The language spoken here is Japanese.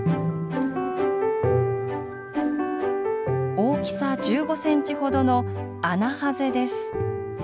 大きさ１５センチほどのアナハゼです。